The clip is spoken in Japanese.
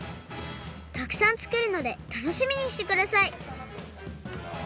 たくさんつくるのでたのしみにしてください。